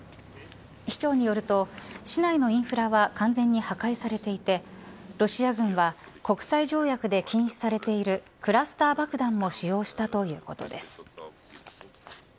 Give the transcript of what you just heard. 市長によると市内のインフラは完全に破壊されていてロシア軍は国際条約で禁止されているクラスター爆弾も使用したということです。